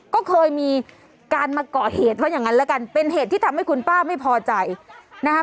ก็เคยมีการมาก่อเหตุว่าอย่างนั้นแล้วกันเป็นเหตุที่ทำให้คุณป้าไม่พอใจนะคะ